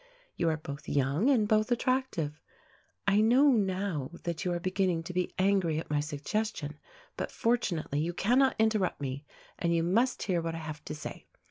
You are both young and both attractive. I know now that you are beginning to be angry at my suggestion, but, fortunately, you cannot interrupt me, and you must hear what I have to say.